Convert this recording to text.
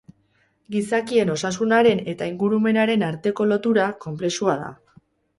Gizakien osasunaren eta ingurumenaren arteko lotura konplexua da.